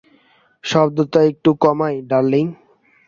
শব্দটা একটু কমাই, ডার্লিং?